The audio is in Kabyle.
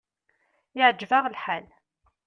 Iɛǧeb-aɣ lḥal.